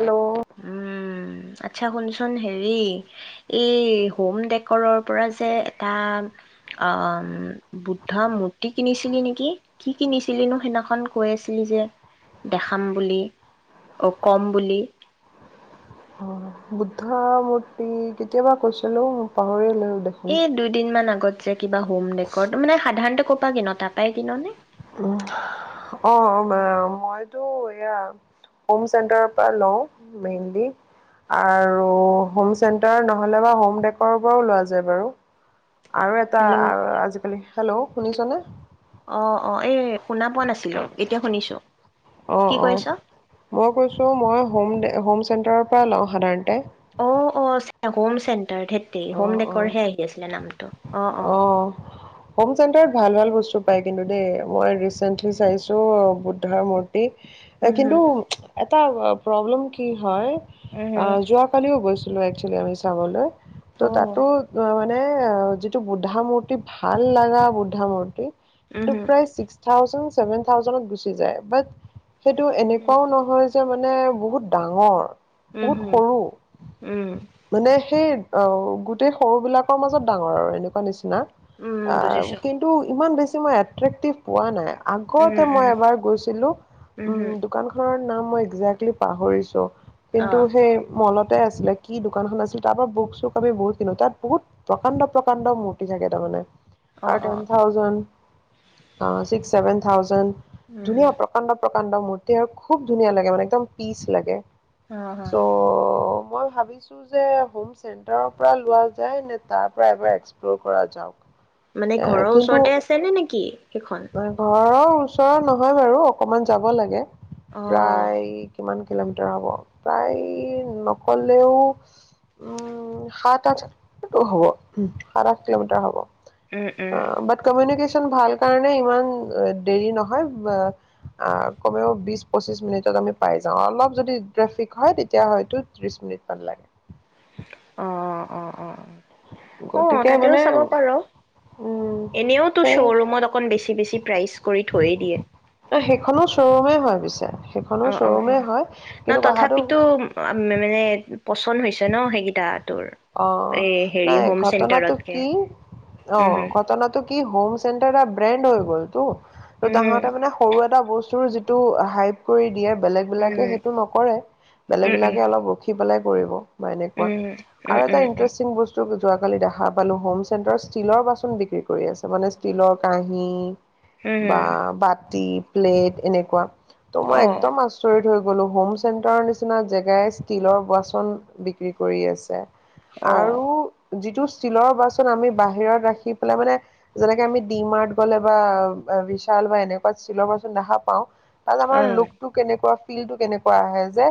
Hello উম আচ্ছা শুনচোন হেৰি এই হোম ডেকৰ পৰা যে এটা আহ বুদ্ধ মূৰ্তি কিনিছিলি নেকি কি কিনিছিলিনো সিদিনাখন কৈ আছিলি যে দেখাম বুলি অ কম বুলি অঁ বুদ্ধ কেতিয়াবা কৈছিলো পাহৰি এ দুইদিন মান আগত কিবা হোম মানে সাধাৰণতে ক' পৰা কিন তাৰাপাই কিন নে অঁ মইতো এয়া হোম চেণ্টাৰৰ পৰা লওঁ মেইনলি আৰু হোম চেণ্টাৰ নহলে বা হোম ডৰ পৰাও লোৱা যায় বাৰু আৰু এটা হেল্ল' আৰু আজিকালি হেল্ল' শুনিছনে অঁ অঁ এই শুনা পোৱা নাছিলোঁ এতিয়া শুনিছোঁ। অঁ কি কৈ অঁ আছ? মই কৈছো মই হোম দে হোম চেণ্টাৰৰ পৰা লওঁ সাধাৰণতে অঁ অঁ হোম চেণ্ট হোম ডেকৰহে আহি আছিলে নামটো অ', অ' অঁ হোম চেণ্টাৰত ভাল ভাল বস্তু পায় কিন্তু দেই মই ৰিচেণ্টলি চাইছোঁ বুদ্ধৰ মূৰ্তি উম, কিন্তু হুম, এটা প্ৰব্লেম কি হয় উম, হুম, অঁ যোৱা কালিও গৈছো একচোৱেলিমি চাবলৈ ত অ' তাতো মান এ এইটো বুধামূৰ্তি ভাল লগা বুধামূৰ্তি উম টো হুম প্ৰায় ছিক্স থাজে ছেভেন থাউজেণ্ড গুছি যায় সেইটো এনেকুৱাও নহয় যে মানে বহুত ডাঙৰ উম হম উম নে সেই অঁ গোটেই সৰু বিলাকৰ মাজত ডাঙৰ আৰু এনেকুৱা নিচিনা উম বুজিছো কিন্তু ইমান বেছি মই এট্ৰেক্টিভ পোৱা নাই। উম আগতে মই উম এবাৰ গৈছিলো উম দোকান খনত ন মই এক্জে্টলি পাহৰিছো। অ কিন্তু সেই মলত আছিলে কি দোকানখন আছিল তাৰ পৰা বুক চুক আমি বহুত কিনো তাত বহুত প্ৰকাণ্ড প্ৰকাণ্ড মূৰ্তি থাকে তাৰমানে। অ' টেন থাউজণ্ড অ' ছিক্স ছেভেন থাউজণ্ড। উম হুম ধুনীয়া প্ৰকাণ্ড প্ৰকা কাণ্ড মূৰ্তি আৰু খুব ধুনীয়া লাগে মে একদম পিচ লাগে। আহ হা। চ' মই ভাবি যে হম চেটাৰৰ পৰা লোৱা যায় নে তাৰ পৰা এবাৰ এক্সপ্লৰ কৰা যাওক। মানে ঘৰৰ ওচৰতে আছে নে নেকি? সেইখন তইি ঘৰ ওচৰৰ নহয় বাৰু অকমান যাব লাগে অ প্ৰায় কিমান কিলোমিটাৰ হ'ব প্ৰায় নকলেও উম সাত আঠটো হ'ব সাত আঠ কিলোমিটাৰ হ'ব অ' উম উম বাট কমনিকেশ ভাল কাৰণে ইমান দেৰি নহয় কমেও বি পঁচিশ মিনিটত আমি পাই যাওঁ অলপ যদি ট্ৰেফিক হয় তেতিয়া হয়তো ত্ৰিশ মিনিটমান লাগে। অ' অ' অ' অ'। অ' গতিকে তাতেও মানে চাব পাৰ উম এনেওতো সেই শ্ব'ৰুমত অকন বেছি বেছি প্ৰাইজ কৰি থৈয়ে দিয়ে। সেইখনো চ্বৰুমে হয় পিছে। সেইখনো অ অ অ শ্বৰুমেই হয় ন কিন্তু কথাটো তথাপিতো মানে পচন্দ হৈছে ন সেইকেইটাত? অ' নাই ঘটনাটো চেণ্টাৰতকে কি উম অ' হুম ঘটনাটো কি হোম চেণ্টাৰ ব্ৰেণ্ড হয় গ'ল তো। ত উম হুম তাহাঁতে মানে সৰু এটা বস্তু মোৰ যিটো হাইক কৰি দিয়ে বেলেগ বিলাকে উম সেইটো নকৰে বেলেগ উম উম বিলাকে অলপ ৰখি পেলাই কৰিব বা এনেকুৱা উম, আৰু উম, এটা উম, উম, ইন্টেৰেষ্টিং বস্তু যোৱাকালি দেখা পালো হোম চেণ্টাৰত ষ্টীলৰ বাচন বিক্ৰী কৰি আছে মানে ষ্টীলৰ কাঁহী উম, বা হুম, বাটি প্লেট এনেকুৱা ত মই অ', একদম আচৰিত থৈ গ'লো হোম চেণ্টাৰৰ নিচিনা জেগাই ষ্টীলৰ বাচন বিক্ৰী কৰি আছে অ', আৰু যিটো ষ্টীলৰ বাচন আমি বাহিৰত ৰাখি পেলাই মানে যেনেকে আমি ডি মাৰত গলে বা বিশাল বা এনেকুৱা ষ্টীলৰ বাচন দেখা পাওঁ তাত আমাৰ অ', লোকটো কেনেকুৱা বিল টো কেনেকুৱা আহে যে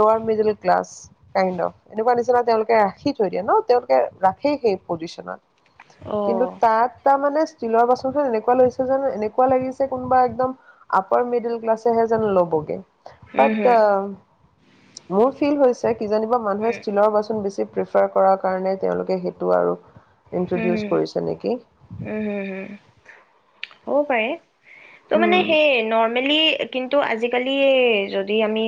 লোৱাৰ মৃদুল কলাচ কাইন্দ অফ ৰাখি থৈ দিয়ে ন তেওঁলোকে ৰাখেই সেই পজিচনত কিন্তু অ', তাত তাৰমানে ষ্টিলৰ বস্তুটো এনেকুৱা লৈছে যেন এনেকুৱা লাগিছে কোনোবা একদম আপাৰ মিডুল ক্লাছেহে যেন ল'বগে উম, বাত হুম, অ মোৰ ফিল হৈছে কিজানিবা মানুহে উম, ষ্টিলৰ বাচন বেছি প্ৰিফাৰ কৰাৰ কাৰণে তেওঁলোকে সেইটো আৰু হুম, ইন্ট্ৰডিউচ হুম, কৰিছে নেকি ক' পাৰে ত' উম মানে সেই নৰ্মেলি কিন্তু আজি আজিকালি এই যদি আমি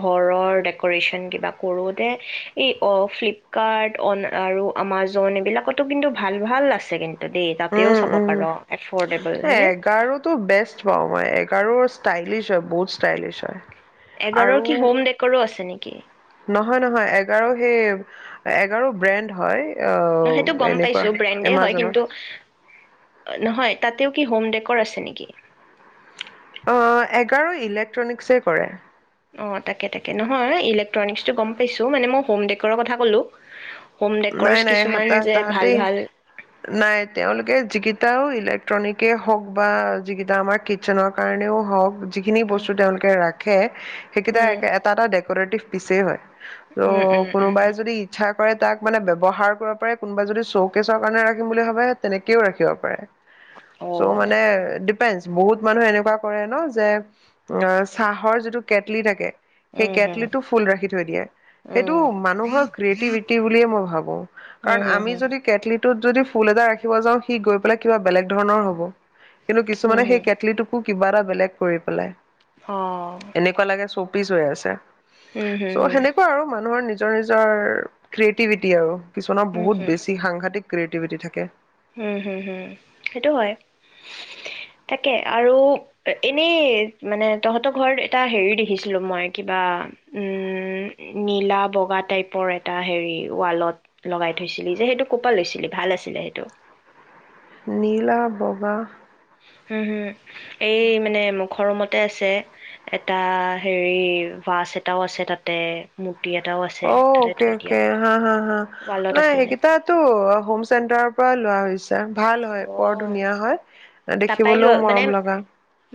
ঘৰৰ ডেকো'ৰেশ্যন কিবা কৰোঁতে এই ফ্লিপকাৰ্ট অন আৰু আমাজন এইবিলাকতো কিন্তু ভাল ভাল আছে কিন্তু তাতেই তাতেও উম চাব উম পাৰোঁ এঘাৰোতো বেষ্ট পাওঁ ই এগাৰোৰ ষ্টাইলিছ হয় বহুত ষ্টাইলিছ হয় এগাৰোৰ আৰু কি হোম ডেকৰো আছে নেকি হয় নহয় এঘাৰো সেই এঘাৰো ব্ৰেণ্ড হয় অ নহ সেইটো গম এনেকুৱা পাইছো ব্ৰেণ্ডে হয় এমাজনত কিন্তু নহয় তাতেও কি হোম ডেকৰ' আছে নেকি অ এঘাৰো ইলেক্ট্ৰনিকছে কৰে অ তাকে তাকে নহয় ইলেক্ট্ৰনিকচটো গম পাইছোঁ মানে মই হোম ডেকোৰৰ কথা ক'লো হোম ডেকৰছ নাই নাই হাহ কিছুমান যে ভাল তাহাঁতেই ভাল নাই তেওঁলোকে যিকেইটাও ইলেক্ট্ৰনিকেই হওক বা যিকেইটা আমাৰ কিটচেনৰ কাৰণেও হওক যিখিনি বস্তু তেওঁলোকে ৰাখে সেইকেইটা উম এটা এটা ডেক'ৰেটিভ পিছে হয় ত' উম উম উম কোনোবাই উম। যদি ইচ্ছা কৰে তাক মানে ব্যৱহাৰ কৰিব পাৰে কোনোবাই যদি শ্চ কেছৰ কাৰণে ৰাখিম বুলি ভাবে তেনেকেও ৰাখিব পাৰে। চ' অ' মানে বহুত মানুহে এনেকুৱা কৰে ন যে অ' চাহৰ যিটো কেটলি থাকে। সেই উম হুম কেটলিটো ফুল ৰাখি থৈ দিয়ে, সেইটো উম মানুহৰ ক্ৰিয়েটিভিটি বুলি বুলি মই ভাবো, উম কাৰণ হুম আমি হুম যদি কেটলি তোত যদি ফুল এটা ৰাখিব যাওঁ সি গৈ পেলাই কিবা বেলেগ ধৰণৰ হ'ব। কিন্তু উম কিছুমানে হুম সেই কেটলিটোকো কিবা এটা বেলেগ কৰি পেলাই। অ'। পিছ হৈ আছে। উম হুম চ' হুম সেনেকুৱা আৰু মানুহৰ নিজৰ নিজৰ নিজৰ। ক্ৰিয়েটিভিটি আৰু। ো কিছুমানৰ উম বহুত হুম বেছি সাংঘাটিক। ক্ৰিয়েটিভিটি থাকে। উম হম হম, সেইটো হয় তাকে আৰু এনেই মানে তহঁতৰ ঘৰত এটা হেৰি দেখিছিলো মই কিবা উম নীলা বগা টাইপৰ এটা হেৰি ৱালত লগাই থৈছিলি যে সেইটো ক'ৰপা লৈছিলি ভাল আছিলে সেইটো। নীলা বগা হুম, হুম। এই মানে মুখৰ ৰূমত। আছে এটা হেৰি বাছ এটাও আছে তাতে। এটাও আছে অ' তাতে অকে, থৈ দিয়া অকে, হা, হা, হা ৱালত নাই আছে যে সেইকেইটাটো হোম চেণ্টাৰৰ পৰা লোৱা হৈছে। ভাল হয় অ বৰ ধুনীয়া হয় দেখিবলৈও মৰম লগা।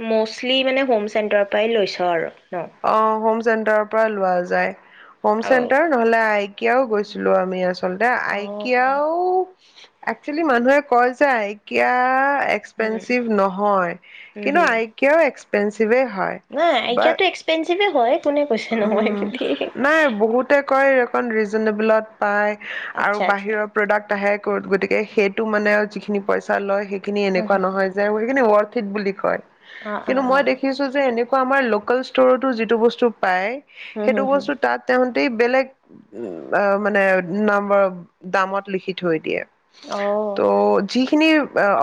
ম'ষ্টলী মানে হোম চেণ্টাৰৰ পৰাই লৈছ আৰু। ন অ' হোম চেণ্টাৰৰ পৰা লোৱা যায় হোম অ চেণ্টাৰ নহলে আ কিয় গৈছিলো আমি আচলতে। আচলতে অ আয়কিয়াও। একচুৱেলি মানুহে কয় যে আয়কিয়া। উম এক্সপেঞ্চিভ নহয় উম কিন্তু হম আয়কিয়াও। পেঞ্চ পেঞ্চিভে হয়। একপেঞ্চিভে হয়। কোনে কৈছে নহয় উম বুলি নাই বহুতে কয় অকণ। ৰিজন তেবুলত। পায় আৰু আচ্ছা আচ্ছা বাহিৰৰ প্ৰডাক্ট আহে। গতিকে সেইটো মানে আৰু যিখিনি পইচা লয়। সেইখিনি হা এনেকোৱা হা নহয় যে সেইখিন ৱৰ্ড ঠিক বুলি কয়। অ অ অ কিন্তু মই দেখিছো যে এনেকোৱা। আমাৰ লোকেল ষ্ট'ৰতো যিটো বস্তু। পায়। হুম সেইটো হুম হুম বস্তু তাত তেওঁ। গোটেই বেলেগ মানে নম্বৰ দামত লিখি থৈ দিয়ে। অ ত' যিখিনি।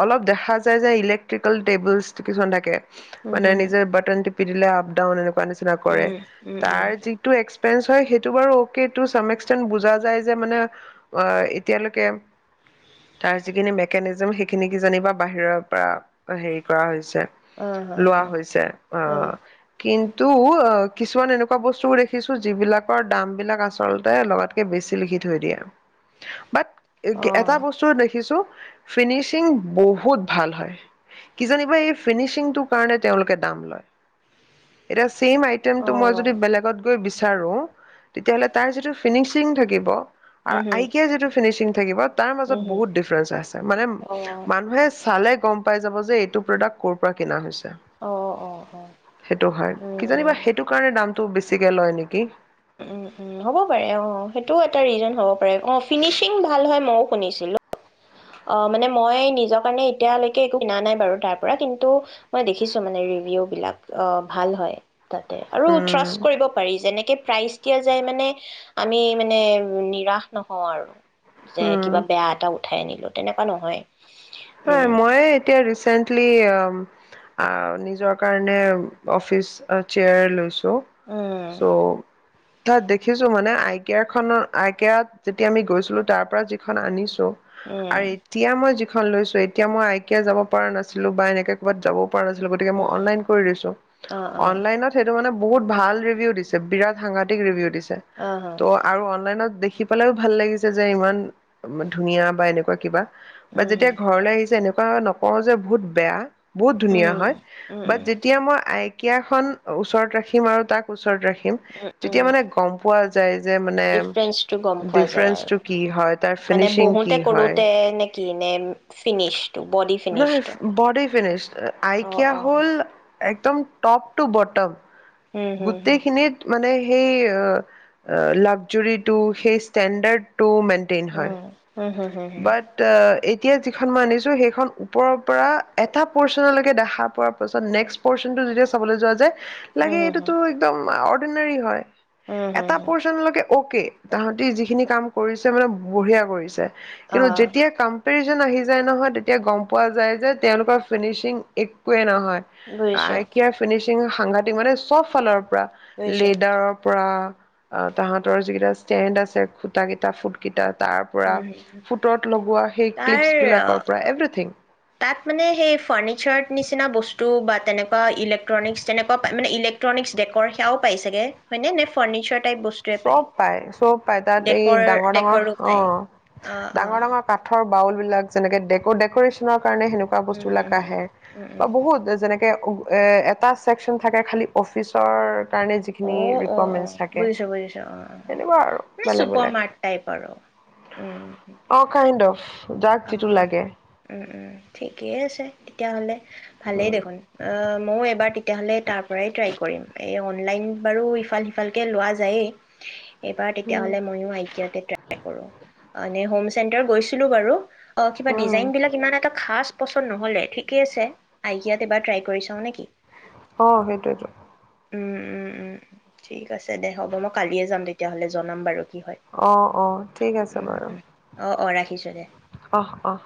অলপ দেখা যায় যে ইলেক্ট্ৰিকেল টেবুলছ কিছুমান থাকে্ হুম মানে হুম হুম নিজৰ বটন টিপ পি দিলে আপ ডাউন এনে নিচিনা কৰে। উম উম উম তাৰ যিটো এক পেঞ হয় সেইতো বাৰু অকে তো চামএকচেন্ট বুজা যায় যে মানে এতিয়ালৈকে হায়াৰ ছেকেণ্ডাৰী ভেকেনেজম সেইখিনিকে যেনিবা বাহিৰৰ পৰা হেৰি কৰা হৈছে। অ হা লোৱা হা হৈছে আহ কিন্ত। তো কিছুমান এনেকুৱা বস্তুও দেখিছো যিবিলাকৰ দামবিলাক আচলতে লগাতকে বেছি লিখি থৈ দিয়ে বাট। এ অ এটা বস্তু দেখিছো। ফিনিচিং বহুত ভাল হয় কিজানিবা এই ফিনিচিংটোৰ কাৰণে তেওঁলোকে দাম লয় এতিয়া চেম। অ অ টেমটো মই যদি বেলেগত গৈ বিচাৰো। বিচাৰোঁ তেতিয়া হ'লে তাৰ যিটো ফিনিচিং থাকিব। আৰু হুম হুম আয়কিয়া যিটো ফিনিচিং। থাকিব। তাৰ হুম মাজত হুম বহুত ডিফাৰেঞ্চ আছে মানে অ মানুহে চালে গম পাই যাব যে এইটো প্ৰডাক্ট ক'ৰ পৰা কিনা হৈছে। অ অ অ সেইটো হয় উম কি জানিবা সেইটো। দামতটো বেছিকে লয় নেকি। উম উম হ'ব পাৰে অ' সেইটোও এটা ৰিজন হ'ব পাৰে অ' ফিনিচিং ভাল হয় মইও শুনিছিলো। অ' মানে মই নিজৰ কাৰণে এতিয়ালৈকে একো কিনা নাই বাৰু তাৰ পৰা কিন্তু মই দেখিছো মানে ৰিভিউবিলাক অ' ভাল হয়। তাতে আৰু উম ট্ৰাষ্ট কৰিব পাৰি যেনেকে প্ৰাইজ। তেতিয়া যাই মানে আমি মানে নিৰাশ নহওঁ আৰু। যে, উম কিবা বেয়া এটা উঠাই আনিলো। তেনেকুৱা নহয়। হয় উম মই এতিয়া ৰিচেন্ট লি অ', নিজৰ কাৰণে অ'ফিচ চেয়াৰ লৈছো। উম চ' চ' তাত দেখিছো মানে আই কে খনত আই কোত যেতিয়া আমি গৈছিলো তাৰ পৰা যিখন আনিছো উম আৰু এতিয়া মই খন লৈছো এতিয়া মই আইকিয়া যাব পৰা নাছিলো বা এনেকে ক'ৰবাত যাব পৰা নাছিলো গতিকে মই উম অনলাইন কৰি দিছো, অ অ অনলাইনত সেইটো মানে বহুত ভাল ৰিভিউ দিছে বিৰাট সাংঘাটিক ৰিভিউ দিছে। অ অ ত' আৰু অনলাইনত দেখি শি পালেও ভাল লাগিছে যে ইমান ধুনীয়া বা এনেকুৱা কিবা। বা উম উম তেতিয়া ঘৰলৈ আহিছে এনেক কুৱা নকওঁ যে বহুত বেয়া বহুত ধুনীয়া উম হয় উম বাট যেতিয়া মই আই কিয়া খন ওচৰত ৰাখিম আৰু তাক ওচৰত ৰাখিম উম খিম তেতিয়া উম মানে গম পোৱা যায় যে মানে ডিফাৰেঞ্চটো গম পোৱা যায় আৰু ডিফাৰেঞ্চটো কি হয়, তাৰ মানে ফিনিচিং বহুতে কি হয়। কৰোতে নে কি নে ফিনিচটো বডি নাই, ফিনিচটো ব'ডি ফিনিচটো অ আইকিয়া অ হ'ল একদম টপ টু বটম। হুম হুম গোটেইখিনিত মানে সেই লাগজৰিটো সেই ষ্টেডাৰ্ড টো মেন্টেইন হয়, উম হুম হুম হুম বাট অ', এ এতিয়া যিখন মই আনিছোঁ সেইখন ওপৰৰ পৰা এটা প'ৰ্চনলৈকে দেখা পোৱাৰ পাছত নেক্সট প'ৰ্চনটো যেতিয়া চাবলৈ যোৱা যে উম, হম, হম। একদম অৰ্ডিনাৰী হয়। হুম এটা হুম পৰ্চনলৈকে ওকে তাঁহাতি যিখিনি কাম কৰিছে মানে বঢ়িয়া কৰিছে। অ কিন্তু যেতিয়া কম্পেৰি আহি যায় নহয় তেতিয়া গম পোৱা যায় যে তেওঁলোকৰ ফিনিচিং একোৱে নহয়। হয় বুজিছো আইকিয়াৰ ফিনিচিং সাংঘাটিক মানে চব ফালৰ পৰা বুজিছো লেডাৰৰ পৰা অ', তাহতৰ যিকেইটা ষ্টেণ্ড আছে খুটাকেইটাৰ ফুটকেইটাত তাৰ পৰা উম হুম হুম। ফুটত লগোৱা সেই তাৰ ক্লিপছ অ, বিলাকৰ পৰা এভ্ৰিথিং তাত মানে সেই ফাৰ্নিচাৰ নিচিনা বস্তু বা তেনেকুৱা ইলেকট্ৰনিক্স তেনেকুৱা মানে ইলেকট্ৰনিক্স ডেক'ৰ সেয়াও পাই চাগে হয়নে নে ফাৰ্নিচাৰ চব পাই চব পাই তাত এই ডেকৰ ডাঙৰ ডাঙৰ ডেকৰো অ পায় অ অ ডাঙৰ ডাঙৰ কাঠৰ বাউল বিলাক যেনেকে ডে'ক ডেক'ৰেচনৰ কাৰণে সেনেকুৱা উম বস্তুবিলাক হুম হুম আহে উম বা উম বহুত যেনেকে এ এটা ছেকচন থাকে খালি অফিচৰ কাৰণে অ যিখিনি অ অ ৰিকয়াৰমেণ্টছ থাকে বুজিছো বুজিছো তেনেকুৱা আৰু মানে বেলেগ চুপাৰ বেলেগ মাৰ্ট টাইপ আৰু উম উম অ কাইণ্ড অফ যাক যিটো লাগে উম উম ঠিকেই আছে তেতিয়াহ'লে ভালেই উম দেখোন অ মও এবাৰ তেতিয়াহ'লে তাৰ [unintelligible] ট্ৰাই কৰিম এই অনলাইন বাৰু ইফাল সিফালকে লোৱা যায়েই এইবাৰ উম তেতিয়াহ'লে মইও আইকিয়াতে ট্ৰাই কৰো মানে হোম চেণ্টাৰ গৈছিলোঁ বাৰু অ কিবা উম ডিজাইনবিলাক ইমান এটা খাচ পচন নহলে ঠিকে আছে আইকিয়াত এবাৰ ট্ৰাই কৰি চাও নেকি? অ সেইটোৱেতো উম উম উম ঠিক আছে দে হ'ব মই কালিয়ে যাম তেতিয়াহ'লে জনাম বাৰু কি হয় অ অ ঠিক আছে উম বাৰু উম [unintelligible] অহ অ